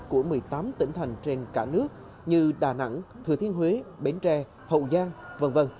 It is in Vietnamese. của một mươi tám tỉnh thành trên cả nước như đà nẵng thừa thiên huế bến tre hậu giang v v